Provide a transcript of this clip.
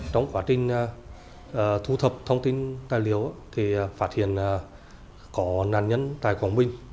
trong quá trình thu thập thông tin tài liệu thì phát hiện có nạn nhân tại quảng bình